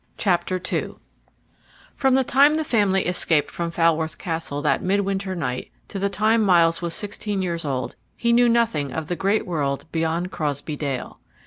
CHAPTER 2 From the time the family escaped from Falworth Castle that midwinter night to the time Myles was sixteen years old he knew nothing of the great world beyond Crosbey Dale.